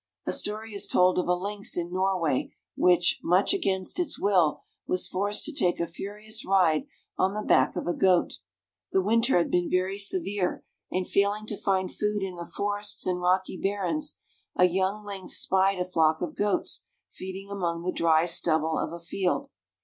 A story is told of a lynx in Norway which, much against its will, was forced to take a furious ride on the back of a goat. The winter had been very severe, and failing to find food in the forests and rocky barrens, a young lynx spied a flock of goats feeding among the dry stubble of a field.